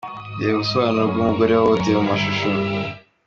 Reba ubusobanuro bw’umugore wahohotewe mu mashusho:.